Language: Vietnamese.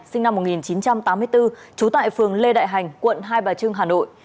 sinh năm một nghìn chín trăm tám mươi bốn trú tại phường lê đại hành quận hai bà trưng hà nội